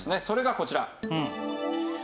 それがこちら。